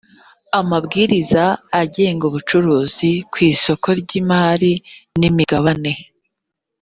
amabwiriza agenga ubucuruzi ku isoko ry imari n imigabane